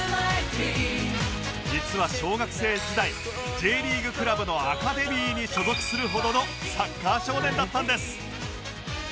実は小学生時代 Ｊ リーグクラブのアカデミーに所属するほどのサッカー少年だったんです